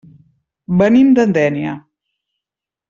Venim de Dénia.